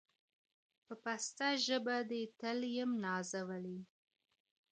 په پسته ژبه دي تل يم نازولى